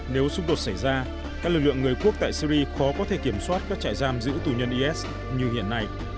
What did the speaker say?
nếu xung đột xảy ra các lực lượng người quốc tại syri khó có thể kiểm soát các trại giam giữ tù nhân is như hiện nay